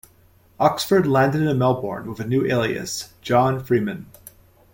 Oxford landed in Melbourne with a new alias, John Freeman.